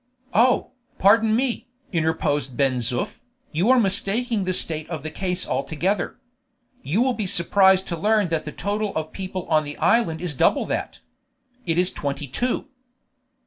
"Oh, pardon me," interposed Ben Zoof, "you are mistaking the state of the case altogether. You will be surprised to learn that the total of people on the island is double that. It is twenty two."